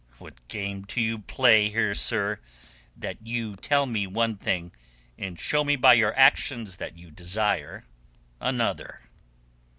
What game do you play here, sir, that you tell me one thing and show me by your actions that you desire another?"